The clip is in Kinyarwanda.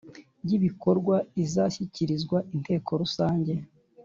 y ibikorwa izashyikirizwa Inteko rusange